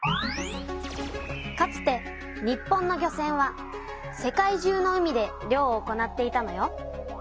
かつて日本の漁船は世界中の海で漁を行っていたのよ。